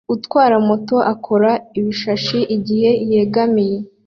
Utwara moto akora ibishashi igihe yegamiye